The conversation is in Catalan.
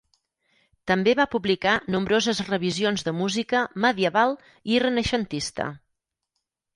També va publicar nombroses revisions de música medieval i renaixentista.